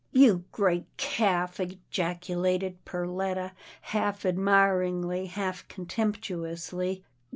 " You great calf," ejaculated Perletta, half ad miringly, half contemptuously.